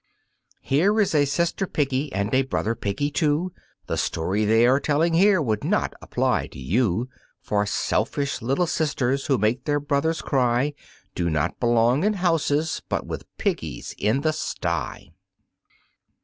Here is a Sister Piggy and a Brother Piggy, too, The story they are telling here would not apply to you, For selfish little sisters who make their brothers cry Do not belong in houses but with piggies in the sty.